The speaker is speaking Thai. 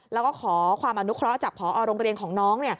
แล้วก็ขอความอนุเคราะห์จากพอโรงเรียนของน้อง